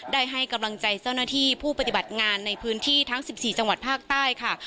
ได้ให้กำลังใจเจ้าหน้าที่ผู้ปฏิบัติงานในพื้นที่ทั้ง๑๔จังหวัดภาคใต้ค่ะ